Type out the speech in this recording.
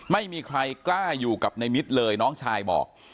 ไม่มีใครกล้าอยู่กับในมิตรเลยน้องชายบอก